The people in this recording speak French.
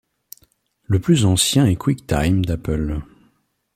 Le plus ancien est QuickTime d'Apple.